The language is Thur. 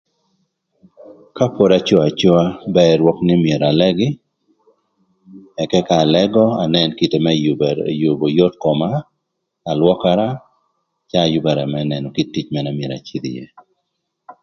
Ka pod acoo acoa bër rwök nï myero alëgï, ëka ka alëgö anën kite më yübö yot koma, alwökara, cë ayübara më nënö kit tic mënë na myero acïdhö ïë.